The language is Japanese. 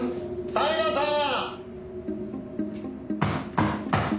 平さん！